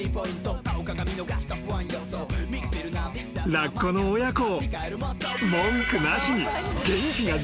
［ラッコの親子］